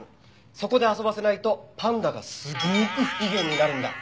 そこで遊ばせないとパンダがすごく不機嫌になるんだ。